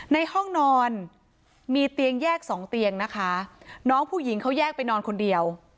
ในห้องนอนมีเตียงแยกสองเตียงนะคะน้องผู้หญิงเขาแยกไปนอนคนเดียว